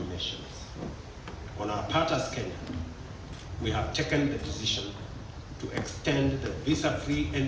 pada bagian kami sebagai kenya kami memutuskan untuk mengembangkan visi bebas